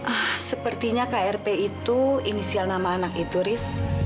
ah sepertinya k r p itu inisial nama anak itu riz